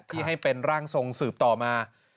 ที่ให้เป็นร่างทรงสืบต่อมา